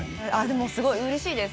でもすごいうれしいです。